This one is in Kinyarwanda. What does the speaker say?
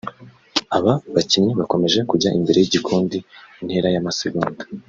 Aba bakinnyi bakomeje kujyana imbere y'igikundi intera y'amasegonda (")